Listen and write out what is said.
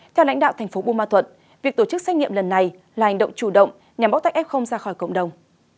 theo lãnh đạo tp bumatut việc tổ chức xét nghiệm lần này là hành động chủ động nhằm bóc tách f ra khỏi cộng đồng